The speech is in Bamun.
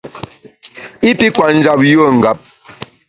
I pi kwet njap yùe ngap.